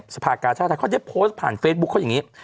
สภากาชาติไทยเขาได้โพสต์ผ่านเฟซบุ๊คเขาอย่างนี้